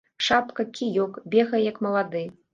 Шапка, кіёк, бегае як малады.